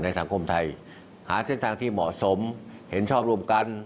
สังคมไทยหาเส้นทางที่เหมาะสมเห็นชอบร่วมกัน